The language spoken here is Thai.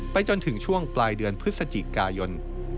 จนถึงช่วงปลายเดือนพฤศจิกายน